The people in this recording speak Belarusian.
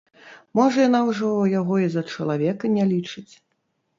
Можа, яна ўжо яго і за чалавека не лічыць?